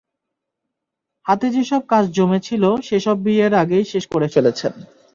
হাতে যেসব কাজ জমে ছিল, সেসব বিয়ের আগেই শেষ করে ফেলেছেন।